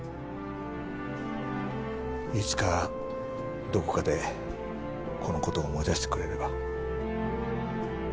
いつかどこかでこの事を思い出してくれれば。